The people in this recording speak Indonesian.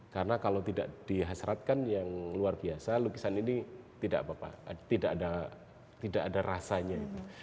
karena kalau tidak dihasratkan yang luar biasa lukisan ini tidak ada rasanya